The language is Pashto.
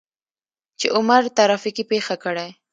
چې عمر ترافيکي پېښه کړى.